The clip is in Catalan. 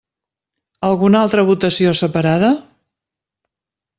Alguna altra votació separada?